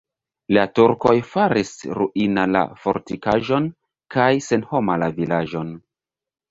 La turkoj faris ruina la fortikaĵon kaj senhoma la vilaĝon.